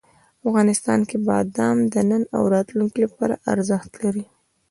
افغانستان کې بادام د نن او راتلونکي لپاره ارزښت لري.